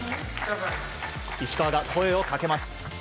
石川が声を掛けます。